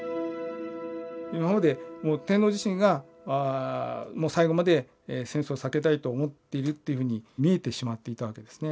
今までもう天皇自身が最後まで戦争を避けたいと思っているっていうふうに見えてしまっていたわけですね。